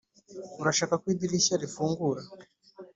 urashaka ko idirishya rifungura?